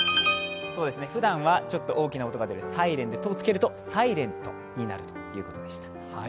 ふだんはちょっと大きな音が出るサイレンにトをつけると、サイレントになるということでした。